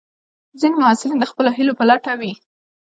ځینې محصلین د خپلو هیلو په لټه وي.